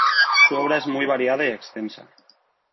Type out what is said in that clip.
Su obra es muy variada y extensa.